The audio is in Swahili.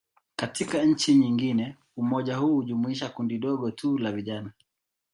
Katika nchi nyingine, umoja huu hujumuisha kundi dogo tu la vijana.